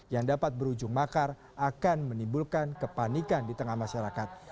yang dapat berujung makar akan menimbulkan kepanikan di tengah masyarakat